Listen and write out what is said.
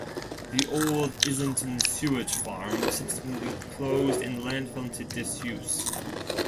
The old Islington Sewage Farm was subsequently closed and the land fell into disuse.